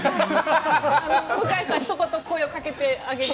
向井さんひと言、声をかけてあげて。